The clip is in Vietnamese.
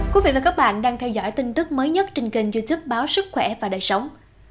các bạn đang theo dõi tin tức mới nhất trên kênh youtube báo sức khỏe và đời sống